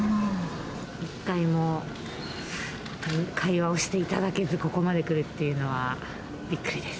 一回も会話をしていただけず、ここまでくるっていうのは、びっくりです。